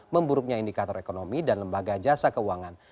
memburuknya indikator ekonomi dan lembaga jasa keuangan